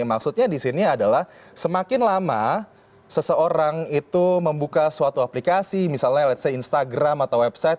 maksudnya di sini adalah semakin lama seseorang itu membuka suatu aplikasi misalnya instagram atau website